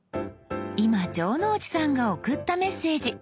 今城之内さんが送ったメッセージ。